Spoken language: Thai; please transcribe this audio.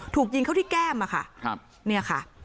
ถูกยิงเข้าที่แก้มอะค่ะครับเนี่ยค่ะ